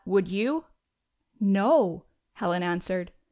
Would you ?"" No," Helen answered.